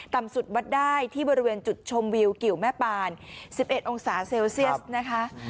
ต่ำสุดวัดได้ที่บริเวณจุดชมวิวกิวแม่ปาน๑๑องศาเซลเซียสนะคะ